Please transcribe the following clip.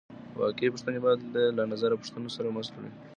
واقعي پوښتنې باید له نظري پوښتنو سره مل وي.